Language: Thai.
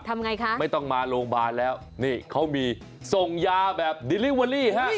ไม่ต้องมาโรงพยาบาลแล้วนี่เค้ามีส่งยาแบบดิลลิเวอรี่